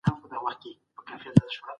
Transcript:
پرونۍ تېروتنې بايد نن تکرار نه سي.